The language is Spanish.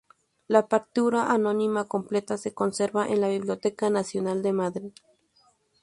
La partitura anónima completa se conserva en la Biblioteca Nacional de Madrid.